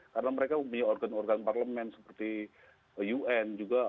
karena mereka punya organ organ parlemen seperti un juga